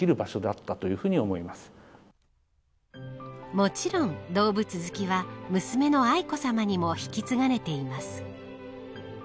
もちろん、動物好きは娘の愛子さまにも引き継がれています。